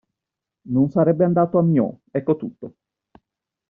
Non sarebbe andato a Meaux, ecco tutto.